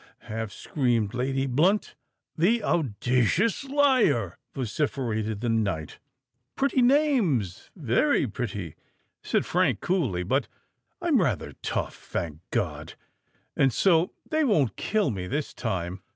half screamed Lady Blunt. "The audacious liar!" vociferated the knight. "Pretty names—very pretty," said Frank coolly; "but I'm rather tough, thank God! and so they won't kill me this time.